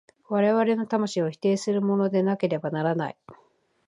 我々の魂を否定するものでなければならない。